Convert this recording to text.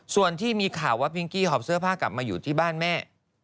ส่วนที่มีข่าวว่าพิงกี้หอบเสื้อผ้ากลับมาอยู่ที่บ้านแม่